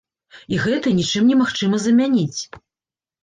І гэта нічым немагчыма замяніць.